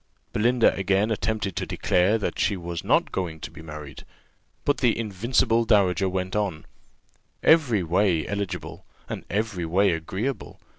Belinda again attempted to declare that she was not going to be married; but the invincible dowager went on: "Every way eligible, and every way agreeable.